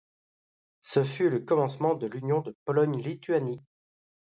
Ce fut le commencement de l'union de Pologne-Lituanie.